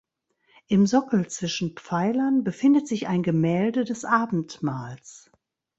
Im Sockel zwischen Pfeilern befindet sich ein Gemälde des Abendmahls.